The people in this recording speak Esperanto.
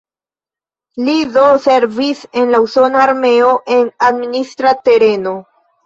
Li do servis en la usona armeo en administra tereno.